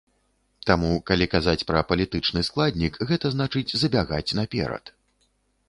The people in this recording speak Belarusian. Таму, калі казаць пра палітычны складнік, гэта значыць, забягаць наперад.